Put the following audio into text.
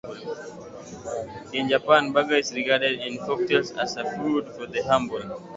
In Japan, badger is regarded in folktales as a food for the humble.